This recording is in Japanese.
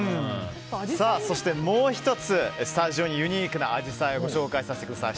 そしてもう１つ、スタジオにユニークなアジサイをご紹介させてください。